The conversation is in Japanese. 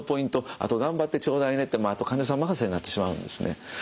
あと頑張ってちょうだいねって患者さん任せになってしまうんですね。